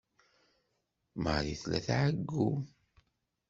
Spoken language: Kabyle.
Marie tella tɛeyyu.